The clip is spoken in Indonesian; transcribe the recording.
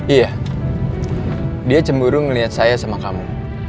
iya dia cemburu ngelihat saya sama kamu